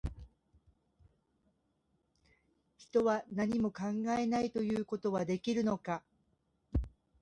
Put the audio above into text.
人は、何も考えないということはできるのか